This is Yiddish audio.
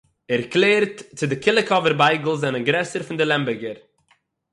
ער קלערט צי די קוליקאָווער בייגל זענען גרעסער פֿון די לעמבערגער.